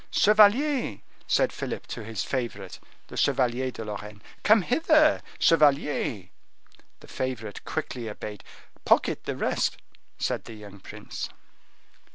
"Chevalier," said Philip to his favorite, the Chevalier de Lorraine, "come hither, chevalier." The favorite quickly obeyed. "Pocket the rest," said the young prince.